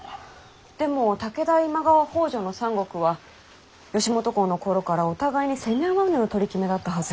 でも武田今川北条の三国は義元公の頃からお互いに攻め合わぬお取り決めだったはず。